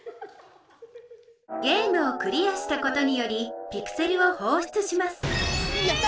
ゲームをクリアしたことによりピクセルをほうしゅつしますやった！